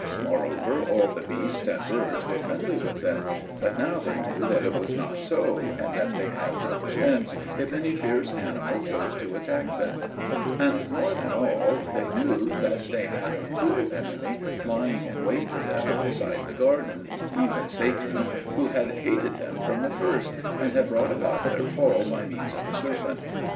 Moreover, all the beasts and birds were friendly with them; but now they knew that it was not so, and that they had no defence if any fierce animal chose to attack them; and, more than all, they knew that they had a cruel enemy lying in wait for them outside the garden, even Satan, who had hated them from the first, and had brought about their fall by means of the serpent.